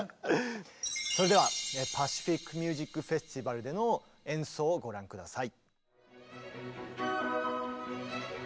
それではパシフィック・ミュージック・フェスティバルでの演奏をご覧下さい。